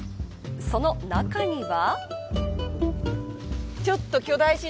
その中には。